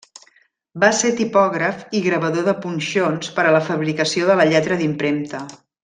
Va ser tipògraf i gravador de punxons per a la fabricació de lletra d'impremta.